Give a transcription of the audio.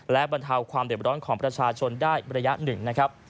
และบรรเทาความเด็บร้อนของประชาชนได้ระยะหนึ่งนะครับ